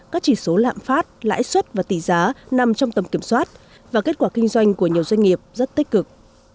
các chỉ số lạm phát lãi suất và tỷ giá nằm trong tầm kiểm soát và kết quả kinh doanh của nhiều doanh nghiệp rất tích cực